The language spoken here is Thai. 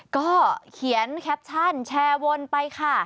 ก็เขียนแคปชั่นแชร์วนไปค่ะ